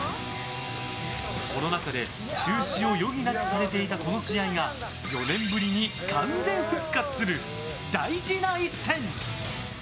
コロナ禍で中止を余儀なくされていたこの試合が４年ぶりに完全復活する大事な一戦。